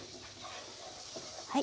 はい。